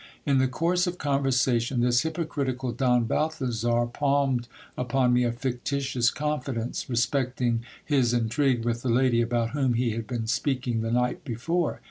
In the course of conversation, this hypocritical Don Bal thazar palmed upon me a fictitious confidence, respecting his intrigue with the lady about whom he had been speaking the night before.